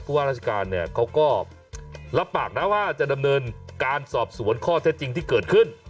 เพราะว่าราชการเนี่ยเขาก็รับปากนะว่าจะดำเนินการสอบสวนข้อเท็จจริงที่เกิดขึ้น